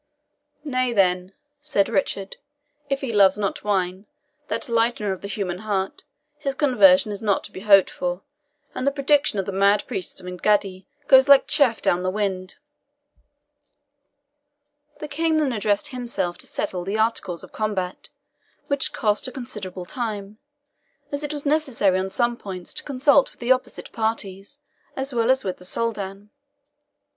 "Nay, then," said Richard, "if he loves not wine, that lightener of the human heart, his conversion is not to be hoped for, and the prediction of the mad priest of Engaddi goes like chaff down the wind." The King then addressed himself to settle the articles of combat, which cost a considerable time, as it was necessary on some points to consult with the opposite parties, as well as with the Soldan.